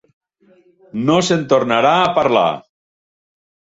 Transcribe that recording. No se'n tornarà a parlar.